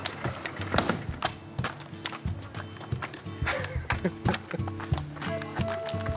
フフフフ！